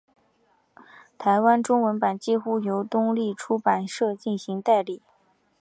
台湾中文版几乎由东立出版社进行代理。